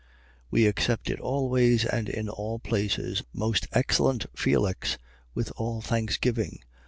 We accept it always and in all places, most excellent Felix, with all thanksgiving.